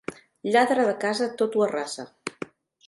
Lladre de casa tot ho arrasa.